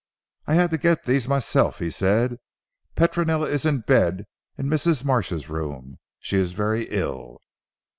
"I had to get these myself," he said, "Petronella is in bed in Mrs. Marsh's room. She is very ill."